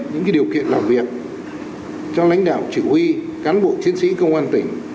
những điều kiện làm việc cho lãnh đạo chỉ huy cán bộ chiến sĩ công an tỉnh